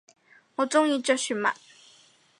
我中意着船襪